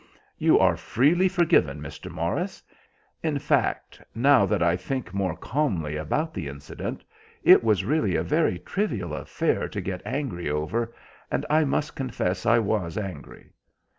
"You are freely forgiven, Mr. Morris. In fact, now that I think more calmly about the incident, it was really a very trivial affair to get angry over, and I must confess I was angry."